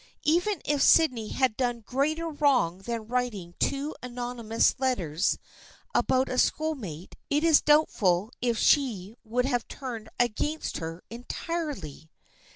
Even if Sydney had done greater wrong than writing two anonymous letters about a schoolmate it is doubtful if she would have turned against her entirely.